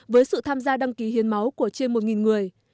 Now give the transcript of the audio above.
với sự tham gia đăng ký hiến máu của trên một người